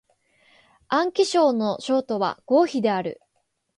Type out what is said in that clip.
安徽省の省都は合肥である